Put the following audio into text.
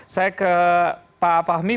saya ke pak fahmi